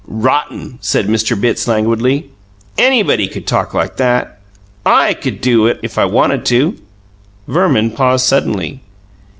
"Rotten," said Mr. Bitts languidly. "Anybody could talk like that. I could do it if I wanted to." Verman paused suddenly.